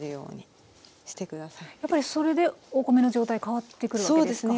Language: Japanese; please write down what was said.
やっぱりそれでお米の状態変わってくるわけですか？